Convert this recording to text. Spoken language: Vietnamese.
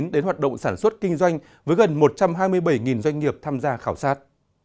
đến hoạt động sản xuất kinh doanh với gần một trăm hai mươi bảy doanh nghiệp tham gia khảo sát